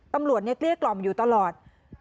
ตำรวจเนี่ยเกลี้ยกล่อมอยู่ตลอด